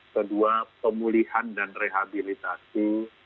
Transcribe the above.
kedua pemulihan dan rehabilitasi